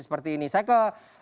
seperti ini saya ke